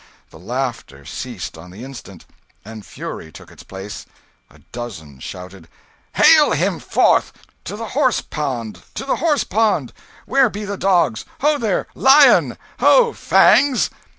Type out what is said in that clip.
The laughter ceased on the instant, and fury took its place. A dozen shouted "Hale him forth! To the horse pond, to the horse pond! Where be the dogs? Ho, there, Lion! ho, Fangs!"